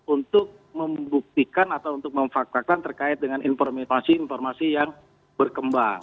untuk membuktikan atau untuk memfaktakan terkait dengan informasi informasi yang berkembang